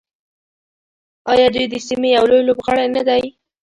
آیا دوی د سیمې یو لوی لوبغاړی نه دی؟